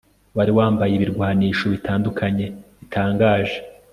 wari wambaye ibirwanisho bitandukanye bitangaje